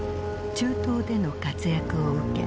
中東での活躍を受け